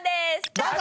どうぞ！